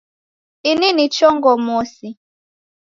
Ini ni chongo mosi